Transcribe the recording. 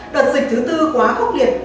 đợt dịch thứ bốn quá khốc liệt